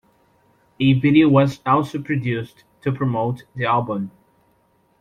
A video was also produced to promote the album.